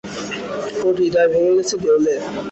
ওর হৃদয় হয়ে গেছে দেউলে।